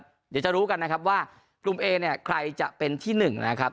เดี๋ยวจะรู้กันนะครับว่ากลุ่มเอเนี่ยใครจะเป็นที่หนึ่งนะครับ